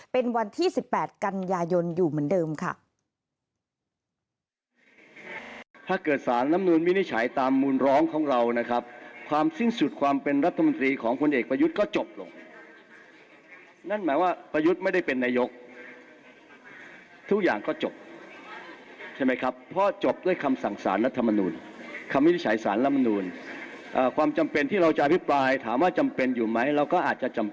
เป็นวันที่๑๘กันยายนอยู่เหมือนเดิมค่ะ